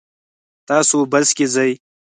تاسو بس کې ځئ؟